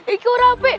ini udah rapi